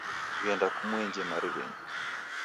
Ghenda kumuenje mariw'enyi.